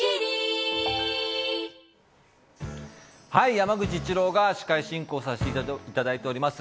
山口一郎が司会進行をさせていただいております。